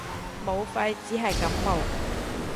武肺只係感冒